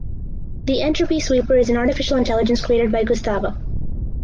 The Entropy Sweeper is an artificial intelligence created by Gustavo.